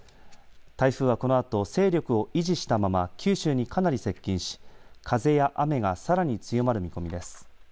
台風はこのあと勢力を維持したまま九州にかなり接近し風や雨がさらに強まる見込みです。